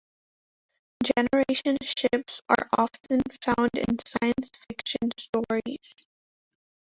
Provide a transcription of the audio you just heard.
Generation ships are often found in science fiction stories.